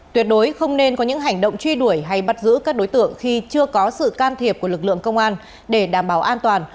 tuyệt đối không nên có những hành động truy đuổi hay bắt giữ các đối tượng khi chưa có sự can thiệp của lực lượng công an để đảm bảo an toàn